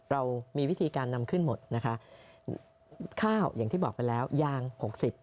เรามีวิธีการนำขึ้นหมดนะคะข้าวอย่างที่บอกไปแล้วยางหกสิบ